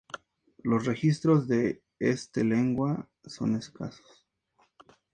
Los registros de este lengua son escasos.